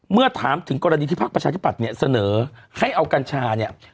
เมื่อถามถึงกรณีที่พักประชาธิปัตย์เนี่ยเสนอให้เอากัญชาเนี่ย